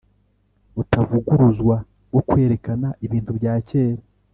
butavuguruzwa, bwo kwerekana ibintu bya cyera